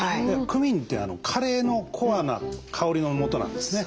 クミンってカレーのコアな香りのもとなんですね。